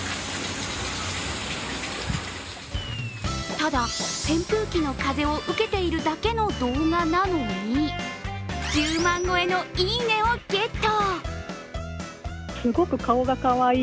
ただ扇風機の風を受けているだけの動画なのに１０万超えのいいねをゲット。